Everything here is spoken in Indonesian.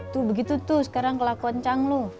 tuh begitu tuh sekarang kelakuan chang lu